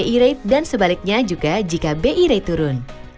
jika bi menaikkan bi rate dan sebaliknya juga jika bi menaikkan kredit